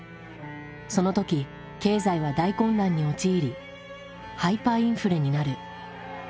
その時経済は大混乱に陥りハイパーインフレになる。